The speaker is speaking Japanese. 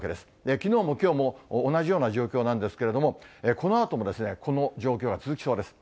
きのうもきょうも同じような状況なんですけれども、このあともこの状況が続きそうです。